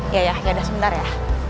ya ya ya udah sebentar ya